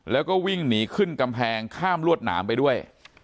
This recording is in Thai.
แล้วก็วิ่งหนีขึ้นกำแพงข้ามลวดหนามไปด้วย